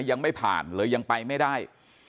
ยังไม่ผ่านเลยยังไปไม่ได้